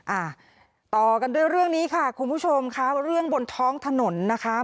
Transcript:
อ่าต่อกันด้วยเรื่องนี้ค่ะคุณผู้ชมค่ะเรื่องบนท้องถนนนะคะ